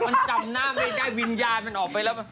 มันจำหน้าไม่ได้วิญญาณมันออกไปแล้ว